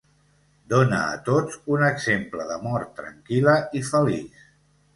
Dona a tots un exemple de mort tranquil·la i feliç.